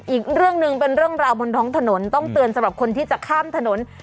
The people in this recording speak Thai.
อีกเรื่องหนึ่งเป็นเรื่องราวบนท้องถนนต้องเตือนสำหรับคนที่จะข้ามถนน